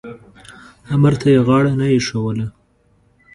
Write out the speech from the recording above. امر ته یې غاړه نه ایښودله.